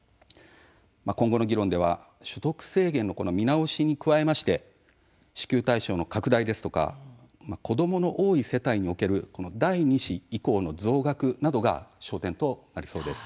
今後の議論では所得制限の見直しに加えまして支給対象の拡大ですとか子どもの多い世帯における第２子以降の増額などが焦点となりそうです。